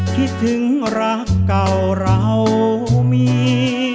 คิดถึงรักเก่าเรามี